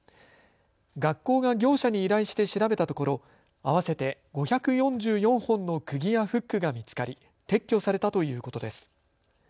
学校が業者に依頼して調べたところ合わせて５４４本のくぎやフックが見つかり撤去されたということです。